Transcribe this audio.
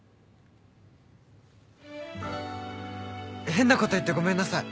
変な事言ってごめんなさい。